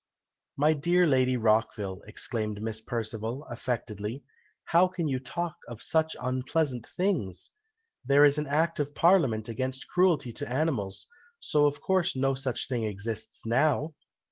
"My dear Lady Rockville," exclaimed Miss Perceval, affectedly, "how can you talk of such unpleasant things! there is an Act of Parliament against cruelty to animals, so of course no such thing exists now.